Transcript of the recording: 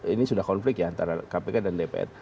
ini sudah konflik ya antara kpk dan dpr